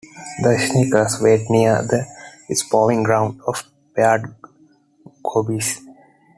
The sneakers wait near the spawning ground of paired gobies.